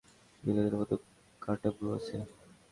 ভিলেনের মতো কাটা ভ্রু আছে।